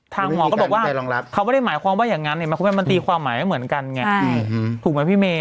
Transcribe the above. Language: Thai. ทางหมอก็บอกว่าเขาไม่ได้หมายความว่าอย่างนั้นมันตีความหมายไม่เหมือนกันไงถูกไหมพี่เม